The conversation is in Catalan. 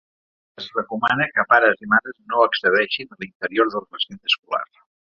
Es recomana que pares i mares no accedeixin a l’interior del recinte escolar.